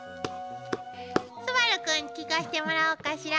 昴くん聞かしてもらおうかしら。